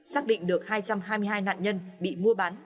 xác định được hai trăm hai mươi hai nạn nhân bị mua bán